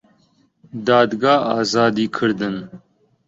دادگا ئازادی کردن